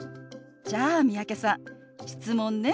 じゃあ三宅さん質問ね。